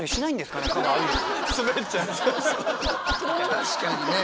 確かにね。